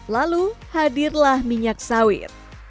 lalu hadirlah minyak sawit